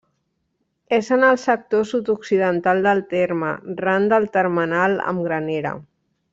És en el sector sud-occidental del terme, ran del termenal amb Granera.